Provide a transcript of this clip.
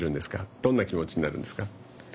どんな気持ちになるんですか。